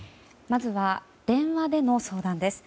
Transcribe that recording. まずは電話での相談です。